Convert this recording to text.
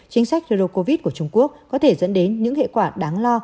chính sách rô covid của trung quốc có thể dẫn đến những hệ quả đáng lo